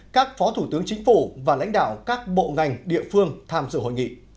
các phó thủ tướng chính phủ và lãnh đạo các bộ ngành địa phương tham dự hội nghị